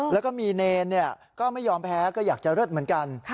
แล้วก็มีเนรก็ไม่ยอมแพ้ก็อยากจะเลิศเหมือนกัน